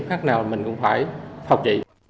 h nào mình cũng phải phòng trị